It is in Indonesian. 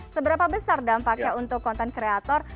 seberapa besar dampaknya untuk konten kreator